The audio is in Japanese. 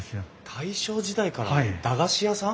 大正時代からの駄菓子屋さん？